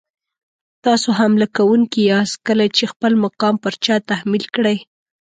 تاسو حمله کوونکي یاست کله چې خپل مقام پر چا تحمیل کړئ.